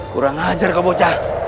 kurang ajar kau bocah